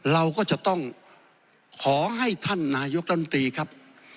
เราก็จะต้องขอให้ท่านนายกรัฐมนตรีครับ